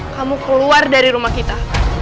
kamu keluar dari rumah kita